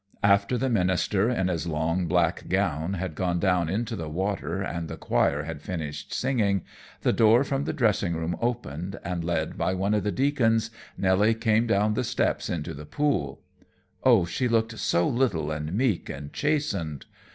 After the minister, in his long, black gown, had gone down into the water and the choir had finished singing, the door from the dressing room opened, and, led by one of the deacons, Nelly came down the steps into the pool. Oh, she looked so little and meek and chastened!